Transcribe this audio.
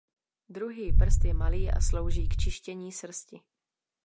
Druhý prst je malý a slouží k čištění srsti.